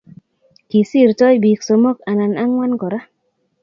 Kisirtoi bik somok anan angwan kora